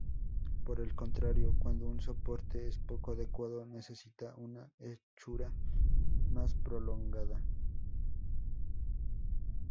Por el contrario, cuando un soporte es poco adecuado, necesita una hechura más prolongada.